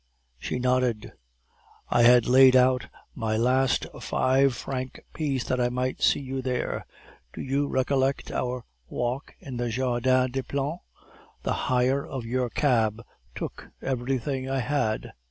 "She nodded. "'I had laid out my last five franc piece that I might see you there. Do you recollect our walk in the Jardin des Plantes? The hire of your cab took everything I had.